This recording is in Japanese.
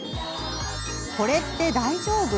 「これって大丈夫？」